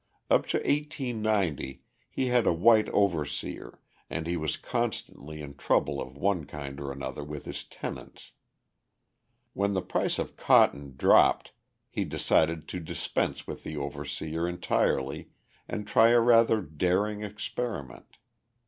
Up to 1890 he had a white overseer and he was constantly in trouble of one kind or another with his tenants. When the price of cotton dropped, he decided to dispense with the overseer entirely and try a rather daring experiment.